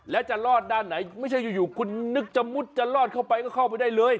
แล้วจะรอดด้านไหนไม่ใช่อยู่คุณนึกจะมุดจะลอดเข้าไปก็เข้าไปได้เลย